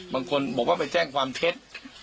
บางคนบอกว่าไปแจ้งความเท็จ